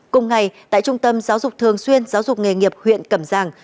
cùng ngày tại trung tâm giáo dục thường xuyên giáo dục nghề nghiệp huyện cẩm giang